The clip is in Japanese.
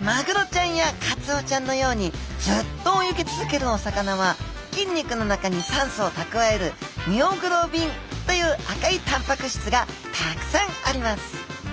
マグロちゃんやカツオちゃんのようにずっと泳ぎ続けるお魚は筋肉の中に酸素を蓄えるミオグロビンという赤いタンパク質がたくさんあります。